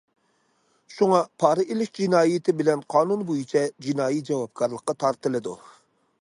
شۇڭا پارا ئېلىش جىنايىتى بىلەن قانۇن بويىچە جىنايى جاۋابكارلىققا تارتىلىدۇ.